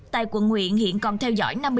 tại quận huyện hiện còn theo dõi năm mươi năm